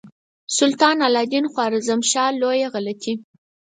سلطان علاء الدین خوارزمشاه لویه غلطي.